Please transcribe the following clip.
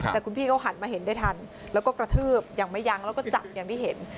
แต่คุณพี่เขาหันมาเห็นได้ทันแล้วก็กระทืบอย่างไม่ยั้งแล้วก็จับอย่างที่เห็น